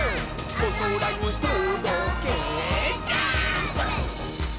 「おそらにとどけジャンプ！！」